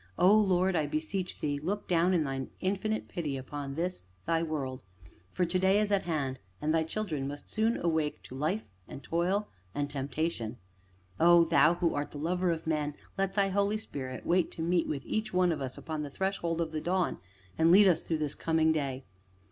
O Lord! I beseech Thee look down in Thine infinite pity upon this, Thy world; for to day is at hand, and Thy children must soon awake to life and toil and temptation. Oh! Thou who art the Lover of Men, let Thy Holy Spirit wait to meet with each one of us upon the threshold of the dawn, and lead us through this coming day.